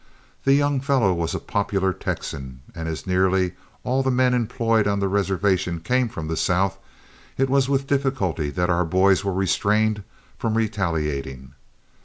The young fellow was a popular Texan, and as nearly all the men employed on the reservation came from the South, it was with difficulty that our boys were restrained from retaliating.